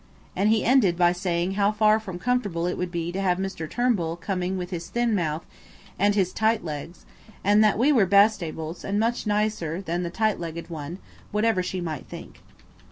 And he ended by saying how far from comfortable it would be to have Mr. Turnbull coming with his thin mouth and his tight legs, and that we were Bastables, and much nicer than the tight legged one, whatever she might think.